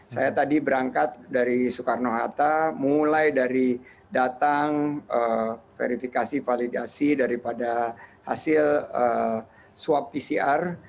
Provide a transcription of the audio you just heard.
saya tadi berangkat dari soekarno hatta mulai dari datang verifikasi validasi daripada hasil swab pcr